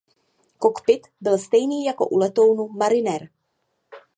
Kokpit byl stejný jako u letounu Mariner.